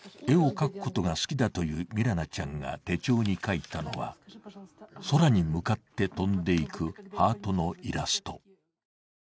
絵を描くことが好きだというミラナちゃんが手帳に描いたのは空に向かって飛んでいくハートのイラスト。